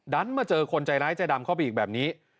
มาเจอคนใจร้ายใจดำเข้าไปอีกแบบนี้